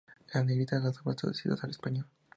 En negrita las obras traducidas al español.